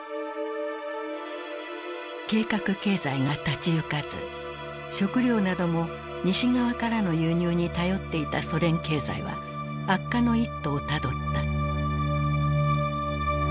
計画経済が立ち行かず食料なども西側からの輸入に頼っていたソ連経済は悪化の一途をたどった。